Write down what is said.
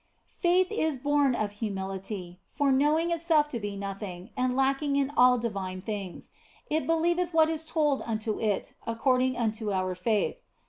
Faith is born of humility, for knowing itself to be nothing, and lacking in all divine things, it believeth what is told unto it according unto our faith.